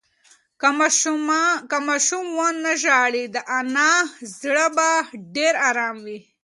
که ماشوم ونه ژاړي، د انا زړه به ډېر ارام وي.